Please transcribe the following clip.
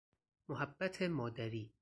محبت مادری